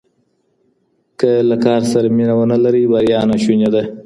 که له کار سره مینه ونه لرئ بریا ناشونې ده.